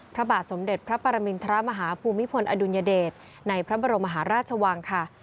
พระบาทสมเด็จพระปรมินทรมาฮภูมิพลอดุลยเดชในพระบรมมหาราชวังค่ะ